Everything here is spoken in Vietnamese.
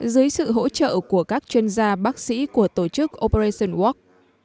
dưới sự hỗ trợ của các chuyên gia bác sĩ của tổ chức operation walk